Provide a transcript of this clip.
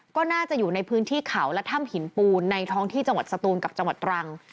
ก็น่าจะอยู่ในพื้นที่เขาและถ้ำหินปูนในท้องที่จังหวัดสตูนกับจังหวัดตรัง